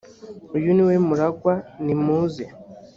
uyu ni we muragwa nimuze